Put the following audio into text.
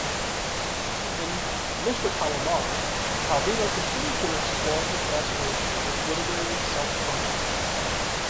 In "Mr. Palomar", Calvino continued to explore his fascination with literary self-consciousness.